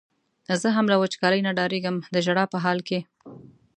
زه هم له وچکالۍ نه ډارېږم د ژړا په حال کې.